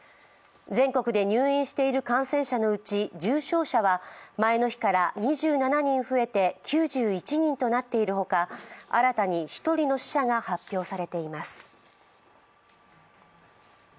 全国で入院している感染者のうち、重症者は前の日から２７人増えて９１人となっている他、新たに１人の死者が発表されています。